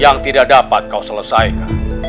yang tidak dapat kau selesaikan